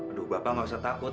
aduh bapak nggak usah takut